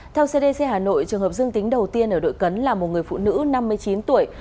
theo cdc hà nội trường hợp dương tính đầu tiên ở đội cấn là một người phụ nữ năm mươi chín tuổi